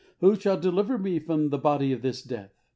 Who shall deliver me from the body of this death?"